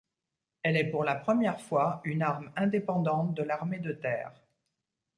Elle est pour la première fois une arme indépendante de l'armée de terre.